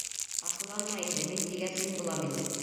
— Асыуланма инде, мин тигәс, мин булам инде.